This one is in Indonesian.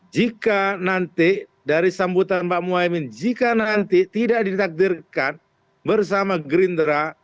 jika nanti dari sambutan pak muhaymin jika nanti tidak ditakdirkan bersama gerindra